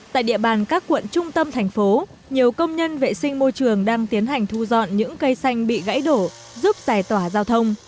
tại địa bàn các quận trung tâm thành phố nhiều công nhân vệ sinh môi trường đang tiến hành thu dọn những cây xanh bị gãy đổ giúp giải tỏa giao thông